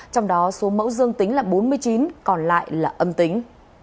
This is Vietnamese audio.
trong đó số mẫu dương tính là bốn mươi chín còn lại là âm tính